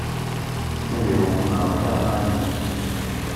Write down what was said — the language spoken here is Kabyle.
Ad yewqem Rebbi rray-nwen.